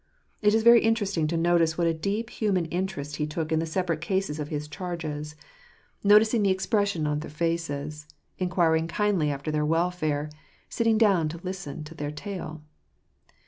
It is very interesting to notice what a deep human interest he took in the separate cases of his charges, noticing the MmisUnng to <Dtt,us. S9 expression of their faces, inquiring kindly after their welfare sitting down to listen to their tale.